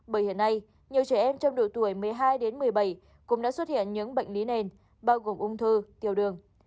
bởi hiện nay nhiều trẻ em trong độ tuổi một mươi hai đến một mươi bảy cũng đã xuất hiện những bệnh lý nền bao gồm ung thư tiểu đường